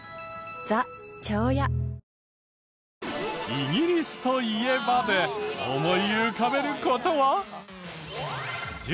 「イギリスといえば」で思い浮かべる事は？